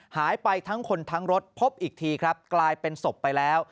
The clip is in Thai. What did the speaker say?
หายไปทั้งคนทั้งรถพบอีกทีครับกลายเป็นศพไปแล้ว